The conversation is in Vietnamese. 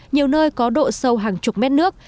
nhiều nơi có độ sâu hàng chục mét nước